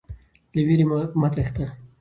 له ویرې مه تښته.